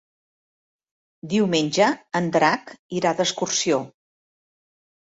Diumenge en Drac irà d'excursió.